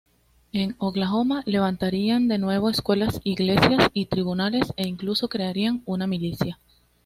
En Oklahoma levantarían de nuevo escuelas, iglesias y tribunales, e incluso crearían una milicia.